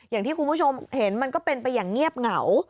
อย่างที่คุณผู้ชมเห็นมันก็เป็นไปอย่างเงียบเหงา